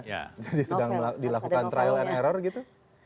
jadi sedang dilakukan trial and error gitu